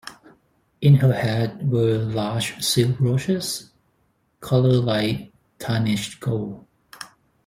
In her hat were large silk roses, coloured like tarnished gold.